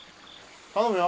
頼むよ。